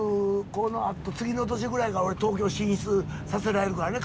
このあと次の年ぐらいから俺東京進出させられるからね。